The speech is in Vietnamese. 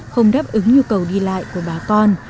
không đáp ứng nhu cầu đi lại của bà con